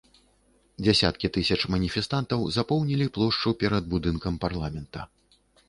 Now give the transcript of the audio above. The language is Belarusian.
Дзесяткі тысяч маніфестантаў запоўнілі плошчу перад будынкам парламента.